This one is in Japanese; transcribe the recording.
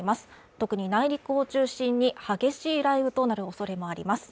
特に内陸を中心に激しい雷雨となるおそれもあります。